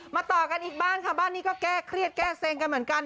ต่อกันอีกบ้านค่ะบ้านนี้ก็แก้เครียดแก้เซ็งกันเหมือนกัน